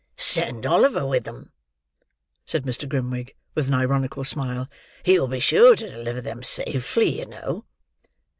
"Send Oliver with them," said Mr. Grimwig, with an ironical smile; "he will be sure to deliver them safely, you know."